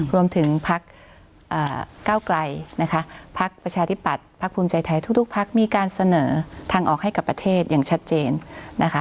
พักเก้าไกลนะคะพักประชาธิปัตย์พักภูมิใจไทยทุกพักมีการเสนอทางออกให้กับประเทศอย่างชัดเจนนะคะ